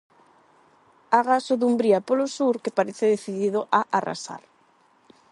Agás o Dumbría polo sur, que parece decidido a arrasar.